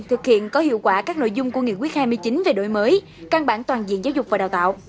thực hiện có hiệu quả các nội dung của nghị quyết hai mươi chín về đổi mới căn bản toàn diện giáo dục và đào tạo